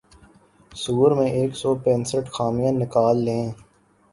سؤر میں ایک سو پینتیس خامیاں نکال لیں